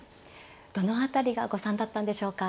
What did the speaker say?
どの辺りが誤算だったんでしょうか。